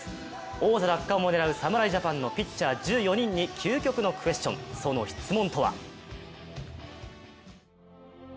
大座奪還を狙う侍ジャパンのピッチャー１４人に究極のＱｕｅｓｔｉｏｎのその質問。